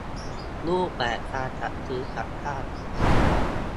รูปแบบการจัดซื้อจัดจ้าง